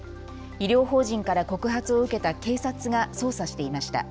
医療法人から告発を受けた警察が捜査していました。